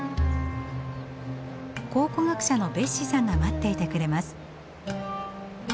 考古学者のベッシさんが待っていてくれます。